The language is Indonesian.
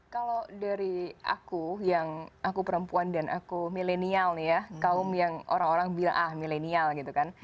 kalau dari aku yang aku perempuan dan aku milenial nih ya kaum yang orang orang bilang ah milenial gitu kan